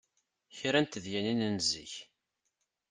Kra n tedyanin n zik